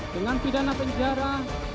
dengan pidana penjara